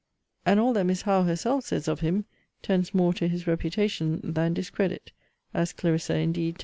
And all that Miss Howe herself says of him, tends more to his reputation than discredit, as Clarissa indeed tells her.